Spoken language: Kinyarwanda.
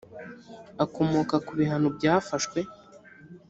akomoka ku bihano byafashwe